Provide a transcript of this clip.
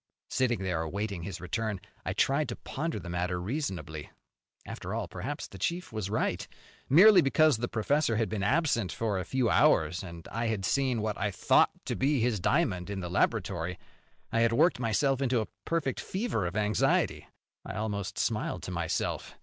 Sitting there awaiting his return, I tried to ponder the matter reasonably. After all, perhaps the chief was right. Merely because the professor had been absent for a few hours and I had seen what I thought to be his diamond in the laboratory, I had worked myself into a perfect fever of anxiety. I almost smiled to myself.